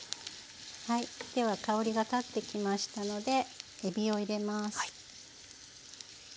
では香りが立ってきましたのでえびを入れます。